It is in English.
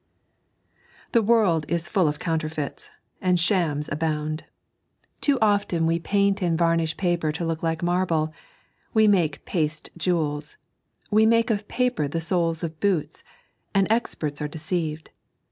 THE world is full of counterfeits, and shams abound I Too often we paint and Tamieli paper to look like marble ; we make paste jewels ; we make of paper the Bolee of boots ; and experts are deceived.